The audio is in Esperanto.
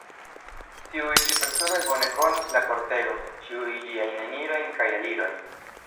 Tiuj ĉi personoj bone konas la kortegon, ĉiujn ĝiajn enirojn kaj elirojn.